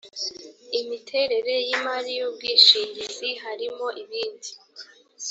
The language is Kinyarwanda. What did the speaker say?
imiterere y’ imari y’umwishingizi harimo ibindi